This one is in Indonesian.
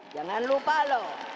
jangan lupa loh